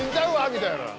みたいな。